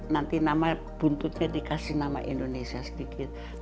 nanti nama buntutnya dikasih nama indonesia sedikit